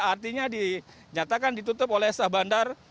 artinya ditutup oleh sah bandar